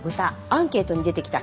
アンケートに出てきた